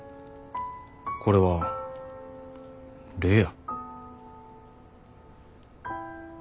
これは礼や。